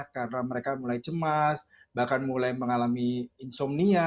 karena mereka mulai cemas bahkan mulai mengalami insomnia